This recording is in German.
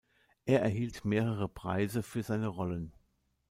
Er erhielt mehrere Preise für seine Rollen.